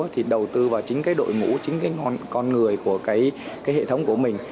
thì đầu tư vào chính đội ngũ chính con người của hệ thống của mình